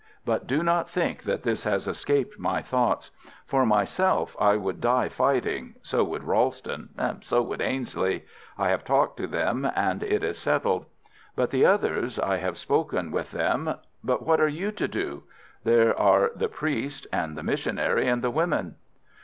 But do not think that this has escaped my thoughts. For myself I would die fighting, so would Ralston, so would Ainslie. I have talked to them, and it is settled. But the others, I have spoken with them, but what are you to do? There are the priest, and the missionary, and the women."